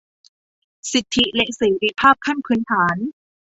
สิทธิและเสรีภาพขั้นพื้นฐาน